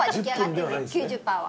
９０％は。